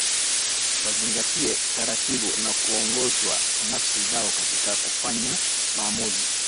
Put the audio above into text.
Wazingatie taratibu na kuongozwa na nafsi zao katika kufanya maamuzi